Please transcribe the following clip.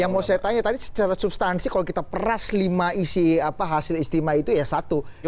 yang mau saya tanya tadi secara substansi kalau kita peras lima isi hasil istimewa itu ya satu